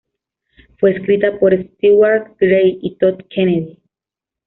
Fue escrita por Stewart Gray y Todd Kennedy.